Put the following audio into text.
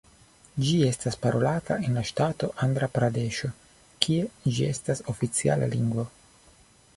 Ĝi estas parolata en la ŝtato Andra-Pradeŝo kie ĝi estas oficiala lingvo.